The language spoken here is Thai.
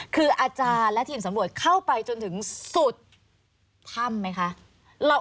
คืออาจารย์และทีมสำรวจเข้าไปจนถึงสุดถ้ำไหมคะ